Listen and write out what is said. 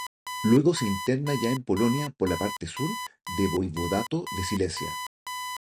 Luego se interna ya en Polonia por la parte sur del voivodato de Silesia.